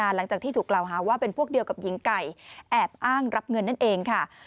หลังจากที่ถูกกล่าวหาว่าเป็นพวกเดียวกับหญิงไก่แอบอ้างรับเงินนั่นเองค่ะ